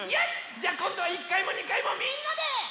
じゃあこんどは１かいも２かいもみんなで！